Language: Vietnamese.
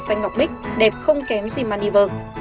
xanh ngọc bích đẹp không kém gì maneuver